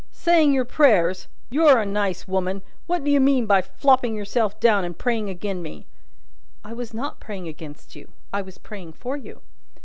"Saying your prayers! You're a nice woman! What do you mean by flopping yourself down and praying agin me?" "I was not praying against you; I was praying for you."